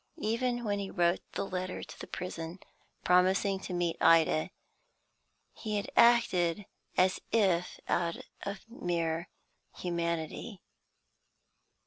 Even when he wrote the letter to the prison, promising to meet Ida, he had acted as if out of mere humanity.